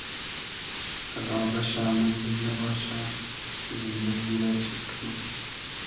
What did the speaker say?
را بئشۂ مئنزیل نئباشۂ زیندئگی رۂ چیز کئنوم